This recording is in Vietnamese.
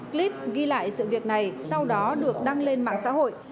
clip ghi lại sự việc này sau đó được đăng lên mạng xã hội